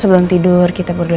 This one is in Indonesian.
sebelum tidur kita berdoa dulu